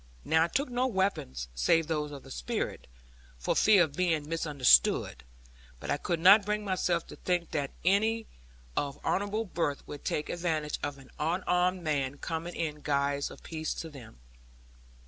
Now I took no weapons, save those of the Spirit, for fear of being misunderstood. But I could not bring myself to think that any of honourable birth would take advantage of an unarmed man coming in guise of peace to them.